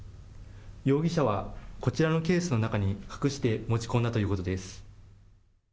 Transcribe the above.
容疑者はこちらのケースの中に隠して持ち込んだということです。